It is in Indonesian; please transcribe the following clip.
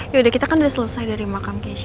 yaudah kita kan udah selesai dari makam keisha